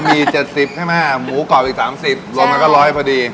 ปะหมี่๗๐บาทให้มาหมูกรอบอีก๓๐บาทลงมาก็๑๐๐บาทพอดี